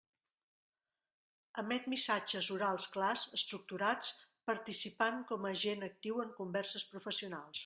Emet missatges orals clars estructurats, participant com a agent actiu en converses professionals.